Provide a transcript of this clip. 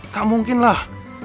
kak mungkin lah